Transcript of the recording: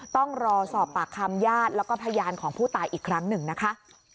ต้องรอสอบปากคำญาติแล้วก็พยานของผู้ตายอีกครั้งหนึ่งนะคะ